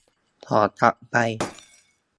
ขอกลับไป